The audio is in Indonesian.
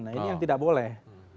nah ini yang tidak boleh